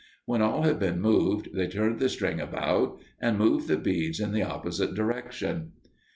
When all have been moved, they turn the string about and move the beads in the opposite direction.